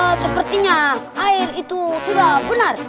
eee sepertinya air itu sudah benar